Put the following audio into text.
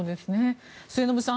末延さん